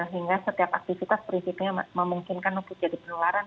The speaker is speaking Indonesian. hingga setiap aktivitas prinsipnya memungkinkan untuk jadi penularan